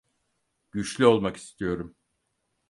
Güçlü olmak istiyorum.